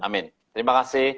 amin terima kasih